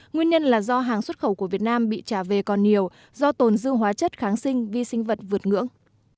nguyên nhân là do hàng xuất khẩu của việt nam bị trả về còn nhiều do tồn dư hóa chất kháng sinh vi sinh vật vượt ngưỡng